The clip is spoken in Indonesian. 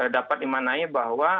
dapat dimaknai bahwa